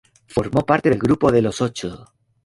Formó parte del Grupo de los Ocho.